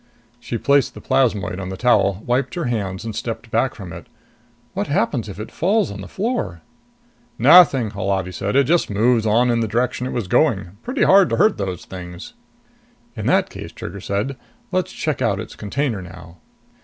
She placed the plasmoid on the towel, wiped her hands and stepped back from it. "What happens if it falls on the floor?" "Nothing," Holati said. "It just moves on in the direction it was going. Pretty hard to hurt those things." "In that case," Trigger said, "let's check out its container now."